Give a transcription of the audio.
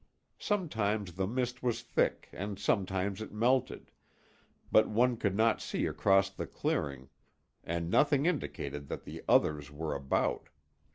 Sometimes the mist was thick and sometimes it melted, but one could not see across the clearing and nothing indicated that the others were about.